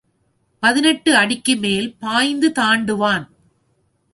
பதினெட்டு அடிக்கு மேல் பாய்ந்து தாண்டுவான்.